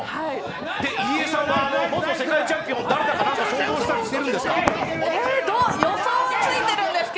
入江さんは元世界チャンピオン誰だか想像しているんですか？